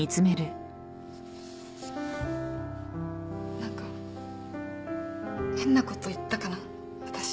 何か変なこと言ったかな私。